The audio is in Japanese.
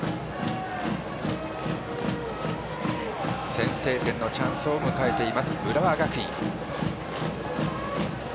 先制点のチャンスを迎えています、浦和学院。